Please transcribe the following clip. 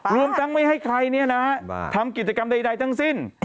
รวมทั้งไม่ให้ใครทำกิจกรรมใดทั้งสิ้น